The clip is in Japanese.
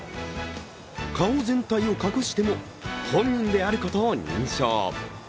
顔全体を隠しても本人であることを認証。